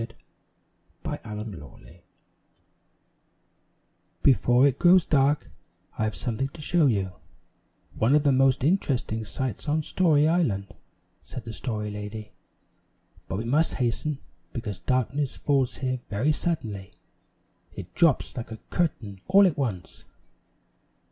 XVIII TINY'S ADVENTURES IN TINYTOWN "BEFORE it grows dark, I have something to show you one of the most interesting sights on Story Island," said the Story Lady. "But we must hasten, because darkness falls here very suddenly; it drops like a curtain all at once."